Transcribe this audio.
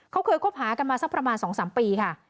เขาเคยคบหากันมาสักประมาณ๒๓ปีค่ะ